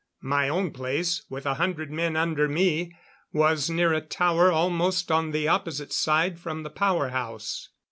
My own place, with a hundred men under me, was near a tower almost on the opposite side from the power house.